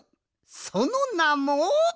そのなも。